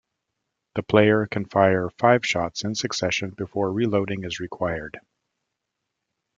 The player can fire five shots in succession before reloading is required.